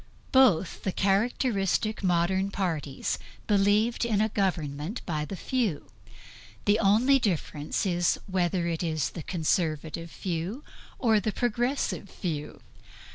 Both the characteristic modern parties believed in a government by the few; the only difference is whether it is the Conservative few or Progressive few.